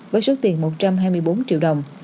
với số tiền một trăm hai mươi bốn triệu đồng